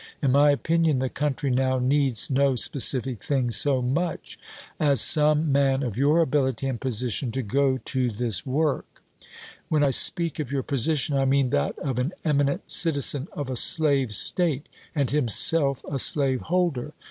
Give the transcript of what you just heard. In my opinion the country now needs no specific thing so much as some man of your ability and position to go to 454 ABEAHAM LINCOLN Chap. XX. this work. Wlieii I speak of your position, I mean that of an eminent citizen of a slave State, and himself a slaveholder.